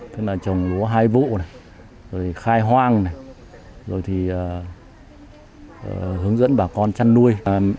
tức là chồng bố hai vụ khai hoang hướng dẫn bà con chăn nuôi